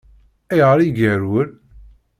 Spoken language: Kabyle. Ayɣer i yerwel?